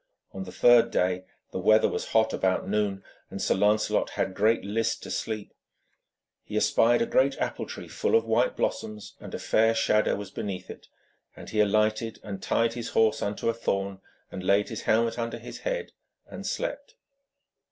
On the third day the weather was hot about noon, and Sir Lancelot had great list to sleep. He espied a great apple tree full of white blossoms, and a fair shadow was beneath it, and he alighted and tied his horse unto a thorn, and laid his helmet under his head and slept.